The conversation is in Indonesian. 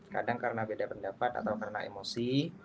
kadang karena beda pendapat atau karena emosi